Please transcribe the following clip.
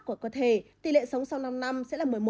của cơ thể tỷ lệ sống sau năm năm